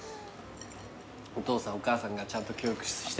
お父さんお母さんがちゃんと教育してんだもんな。